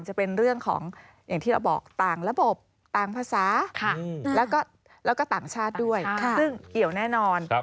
จะเป็นเรื่องของอย่างที่เราบอกต่างระบบต่างภาษาแล้วก็ต่างชาติด้วยซึ่งเกี่ยวแน่นอน